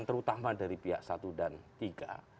terutama dari pihak satu dan tiga